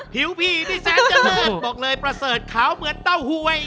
ผิวพี่นี่แสนเจริญบอกเลยประเสริฐขาวเหมือนเต้าหวย